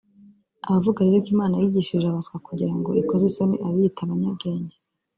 Abavuga rero ko Imana yigishije abaswa kugirango ikoze isoni ab’iyita abanyabwenge